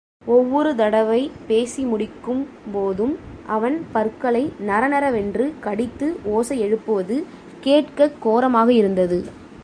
ஒவ்வொரு தடவை பேசி முடிக்கும் போதும் அவன் பற்களை நறநறவென்று கடித்து ஓசை எழுப்புவது கேட்கக் கோரமாக இருந்தது.